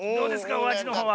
おあじのほうは。